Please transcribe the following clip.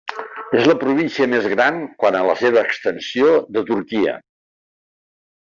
És la província més gran, quant a la seva extensió, de Turquia.